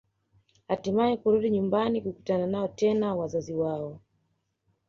Hatimaye kurudi nyumbani kukutana nao tena wazazi wao